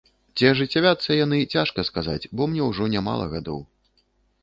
Ці ажыццявяцца яны, цяжка сказаць, бо мне ўжо нямала гадоў.